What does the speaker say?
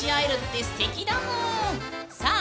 さあ